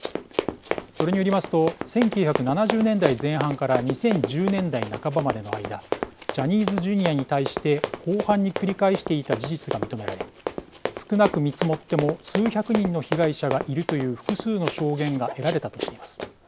それによりますと１９７０年代前半から２０１０年代半ばまでの間ジャニーズＪｒ．に対して広範に繰り返していた事実が認められ少なく見積もっても数百人の被害者がいるという複数の証言が得られたとしています。